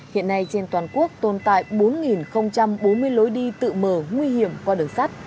hiện nay trên toàn quốc tồn tại bốn bốn mươi lối đi tự mở nguy hiểm qua đường sắt